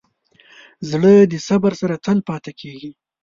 زړه د صبر سره تل پاتې کېږي.